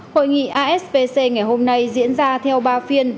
hội nghị aspc ngày hôm nay diễn ra theo ba phiên